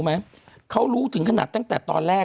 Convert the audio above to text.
คุณหนุ่มกัญชัยได้เล่าใหญ่ใจความไปสักส่วนใหญ่แล้ว